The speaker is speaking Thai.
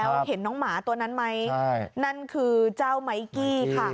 แล้วเห็นน้องหมาตัวนั้นไหมนั่นคือเจ้าไมกี้ค่ะ